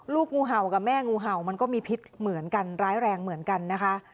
งูเห่ากับแม่งูเห่ามันก็มีพิษเหมือนกันร้ายแรงเหมือนกันนะคะ